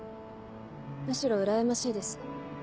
むしろうらやましいです。